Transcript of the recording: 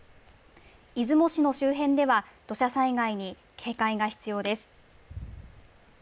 出雲市の周辺では、土砂災害に警戒が必要です。